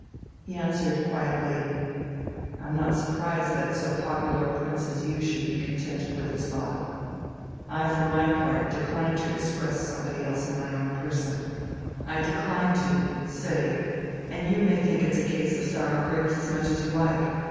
He answered quietly: "I'm not surprised that so popular a prince as you should be contented with his lot. I for my part decline to express somebody else in my own person I decline to, say, and you may think it's a case of sour grapes as much as you like.